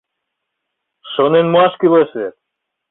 Шонен муаш кӱлеш вет.